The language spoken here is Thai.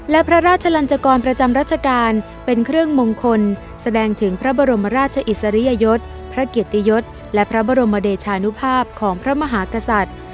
และพระราชลันจกรประจำรัชกาลเป็นเครื่องมงคลแสดงถึงพระบรมราชอิสริยยศพระเกียรติยศและพระบรมเดชานุภาพของพระมหากษัตริย์